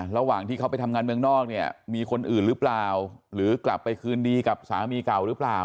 ระหว่างที่เขาไปทำงานเมืองนอกเนี่ยมีคนอื่นหรือเปล่าหรือกลับไปคืนดีกับสามีเก่าหรือเปล่า